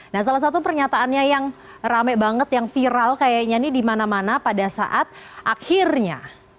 nah salah satu pernyataannya yang rame banget yang viral kayaknya ini dimana mana pada saat akhirnya